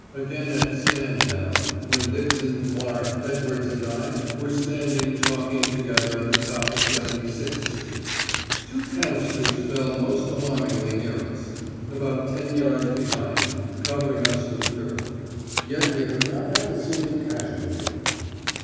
Again, at 'stand down,' when Dixon, Clark, Edwards, and I were standing talking together at the top of 76 Street, two canisters fell most alarmingly near us, about ten yards behind, covering us with dirt. Yet we have not had a single casualty.